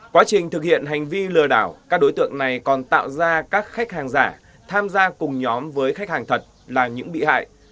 quá trình thực hiện hành vi lừa đảo các đối tượng này còn tạo ra các khách hàng giả tham gia cùng nhóm với khách hàng thật là những bị hại